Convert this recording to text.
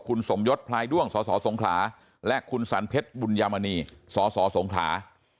คุณสมยศพลายด้วงสสสงขลาและคุณสันเพชรบุญยามณีสสสงขลา